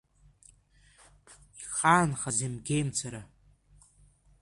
Ихаанхаз Емгеимцара.